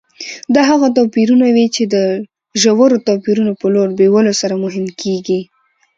دا هغه توپیرونه وي چې د ژورو توپیرونو په لور بیولو سره مهم کېږي.